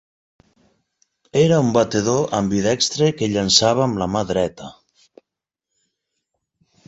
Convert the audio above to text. Era un batedor ambidextre que llençava amb la mà dreta.